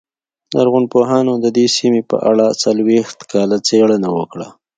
لرغونپوهانو د دې سیمې په اړه څلوېښت کاله څېړنه وکړه